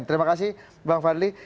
terima kasih bang fadli